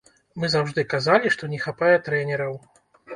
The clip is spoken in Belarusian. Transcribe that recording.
Мы заўжды казалі, што не хапае трэнераў.